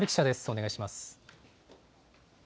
お願いします。